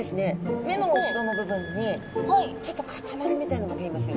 目の後ろの部分にちょっと塊みたいなのが見えますよね。